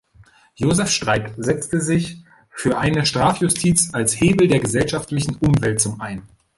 Josef Streit setzte sich für eine „Strafjustiz als Hebel der gesellschaftlichen Umwälzung“ ein.